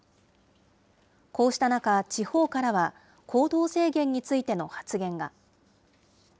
こうした中、地方からは、行動制限についての発言が。